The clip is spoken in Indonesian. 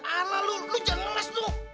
alah lo jangan ngeses lo